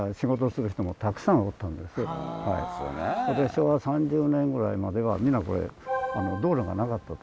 昭和３０年ぐらいまでは皆これ道路がなかったというふうに。